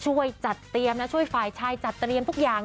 ช่วยจัดเตรียมนะช่วยฝ่ายชายจัดเตรียมทุกอย่าง